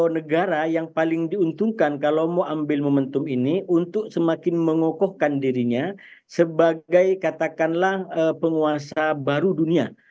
negara yang paling diuntungkan kalau mau ambil momentum ini untuk semakin mengokohkan dirinya sebagai katakanlah penguasa baru dunia